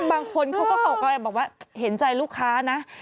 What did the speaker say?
บางคนเขาก็เข้ากอแหล่ะแบบว่าเห็นใจลูกค้านะ